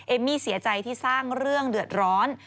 มี่เสียใจที่สร้างเรื่องเดือดร้อน